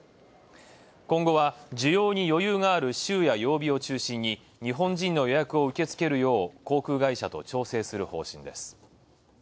今後は、需要に余裕がある週や曜日を中心に日本人の予約を受け付けるよう航空会社と調整する方針です。